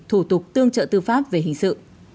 thủ tục tương trợ tư pháp về hình sự